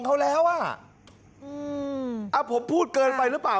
เขาแล้วอ่ะอืมอ่ะผมพูดเกินไปหรือเปล่า